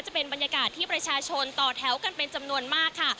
จะเป็นบรรยากาศที่ประชาชนต่อแถวกันเป็นจำนวนมากค่ะ